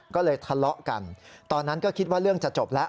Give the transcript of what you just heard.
ก็เลยทะเลาะกันตอนนั้นก็คิดว่าเรื่องจะจบแล้ว